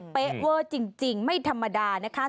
เป๊ะเวอร์จริงไม่ธรรมดานะคะ